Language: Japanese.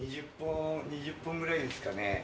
２０本ぐらいですかね。